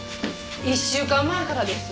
１週間前からです。